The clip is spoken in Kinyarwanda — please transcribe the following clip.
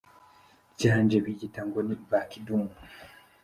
ryanje biyita ngo ni ba kidumu .